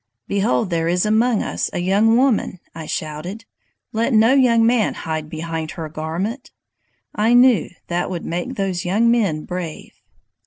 "'Behold, there is among us a young woman!' I shouted. 'Let no young man hide behind her garment!' I knew that would make those young men brave.